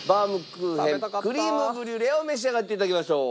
クリームブリュレを召し上がって頂きましょう。